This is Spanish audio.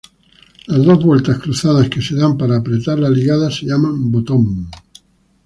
Las dos vueltas cruzadas que se dan para apretar la ligada se llaman "botón".